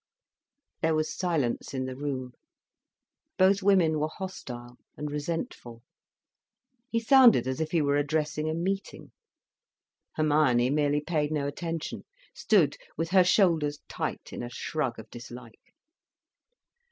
There was silence in the room. Both women were hostile and resentful. He sounded as if he were addressing a meeting. Hermione merely paid no attention, stood with her shoulders tight in a shrug of dislike.